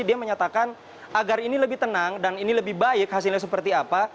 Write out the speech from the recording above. dia menyatakan agar ini lebih tenang dan ini lebih baik hasilnya seperti apa